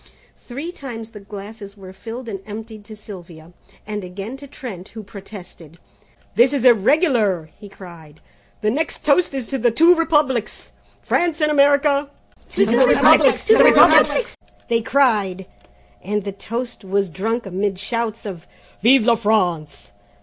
Three times the glasses were filled and emptied to Sylvia, and again to Trent, who protested. "This is irregular," he cried, "the next toast is to the twin Republics, France and America?" "To the Republics! To the Republics!" they cried, and the toast was drunk amid shouts of "Vive a France!